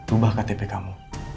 ubah ktp kamu